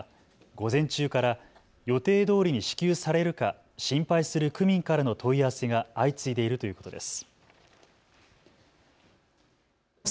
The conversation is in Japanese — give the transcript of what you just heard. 午前中から予定どおりに支給されるか心配する区民からの問い合わせが相次いでいるということです。